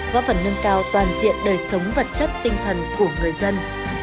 góp phần nâng cao toàn diện đời sống vật chất tinh thần của người dân